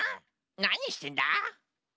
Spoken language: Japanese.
なにしてんだ？